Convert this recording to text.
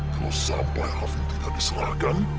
kalau sampai alvin tidak diserahkan